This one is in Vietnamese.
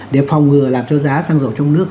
để phòng ngừa làm cho giá xăng dầu trong nước